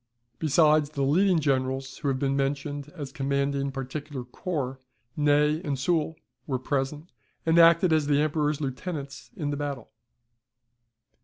Besides the leading generals who have been mentioned as commanding particular corps, Ney and Soult were present, and acted as the Emperor's lieutenants in the battle.